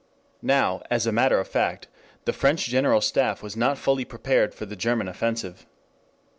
Now, as a matter of fact, the French General Staff was not fully prepared for the German offensive.